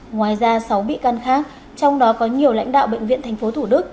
ngoài ra sáu bị can khác trong đó có nhiều lãnh đạo bệnh viện tp thủ đức